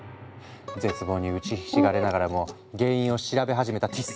絶望に打ちひしがれながらも原因を調べ始めたティス。